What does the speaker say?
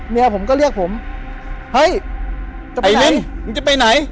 เมียผมก็เรียกผมเฮ้ยจะไปเล่นมึงจะไปไหน